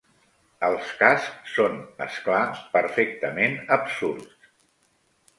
Els cascs són, és clar, perfectament absurds.